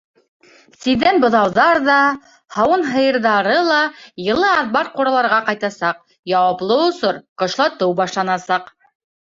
Тиҙҙән быҙауҙар ҙа, һауын һыйырҙары ла йылы аҙбар-ҡураларға ҡайтасаҡ, яуаплы осор — ҡышлатыу — башланасаҡ.